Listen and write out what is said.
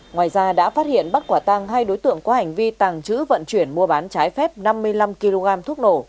ngoài ra đã phát hiện bắt quả tăng hai đối tượng có hành vi tàng trữ vận chuyển mua bán trái phép năm mươi năm kg thuốc nổ